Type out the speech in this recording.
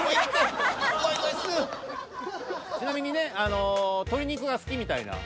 ちなみにねあの鶏肉が好きみたいな。